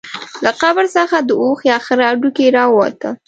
له قبر څخه د اوښ یا خره هډوکي راووتل.